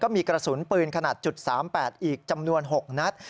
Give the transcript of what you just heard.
มีกระสุนปืนขนาด๓๘อีกจำนวน๖นัด